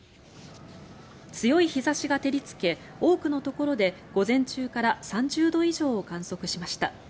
強い日差しが照りつけ多くのところで午前中から３０度以上を観測しました。